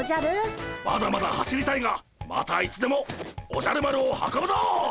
まだまだ走りたいがまたいつでもおじゃる丸を運ぶぞ！